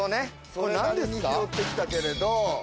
それなりに拾ってきたけれど。